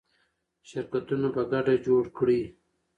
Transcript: شرکتونه په ګډه جوړ کړئ.